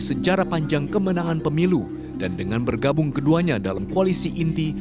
sejarah panjang kemenangan pemilu dan dengan bergabung keduanya dalam koalisi inti